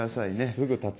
すぐ立つ。